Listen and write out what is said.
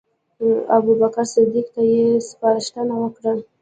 ابوبکر صدیق ته یې سپارښتنه وکړه.